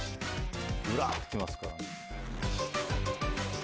ぐらーっときますから。